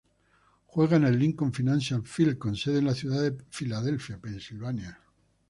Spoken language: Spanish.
Juegan en el Lincoln Financial Field con sede en la ciudad de Philadelphia, Pennsylvania.